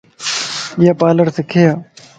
ايا پالر سکي